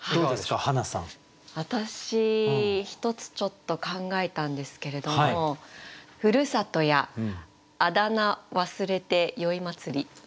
私１つちょっと考えたんですけれども「故郷やあだ名忘れて宵祭り」。